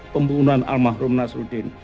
pembunuhan almarhum nasruddin